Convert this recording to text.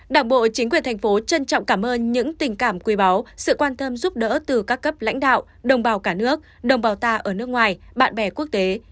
đảng bộ chính quyền thành phố trân trọng cảm ơn những tình cảm quý báu sự quan tâm giúp đỡ từ các cấp lãnh đạo đồng bào cả nước đồng bào ta ở nước ngoài bạn bè quốc tế